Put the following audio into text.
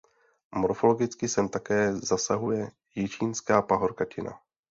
Morfologicky sem takto zasahuje Jičínská pahorkatina.